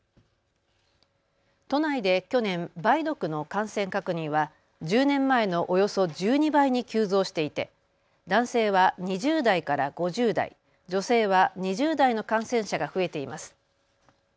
都内で去年、梅毒の感染確認は１０年前のおよそ１２倍に急増していて、男性は２０代から５０代、女性は２０代の感染者が増えています。